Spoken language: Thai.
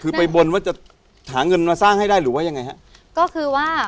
คือไปบนว่าจะหาเงินมาสร้างให้ได้หรือว่ายังไงฮะก็คือว่า